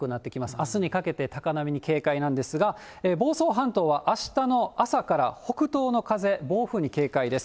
あすにかけて高波に警戒なんですが、房総半島はあしたの朝から北東の風、暴風に警戒です。